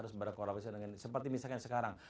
seperti misalkan sekarang